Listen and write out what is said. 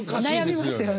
悩みますよね。